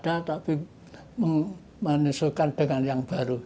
tidak ada tapi menyesulkan dengan yang baru